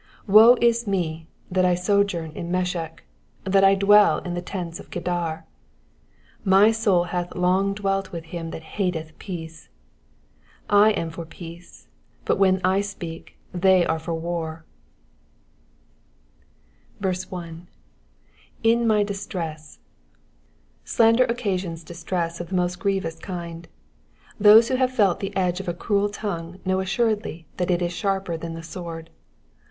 5 Woe is me, that I sojourn in Mesech, that I dwell in the tents of Kedar ! 6 My soul hath long dwelt with him that hateth peace. 7 I am for peace : but when I speak, they are for war. 1. /;» my distress,'*^ Slander occasions distress of the most grieTOus kind. Those who have felt the edge of a cruel tongue know assor^ly that it is sharper than the sword.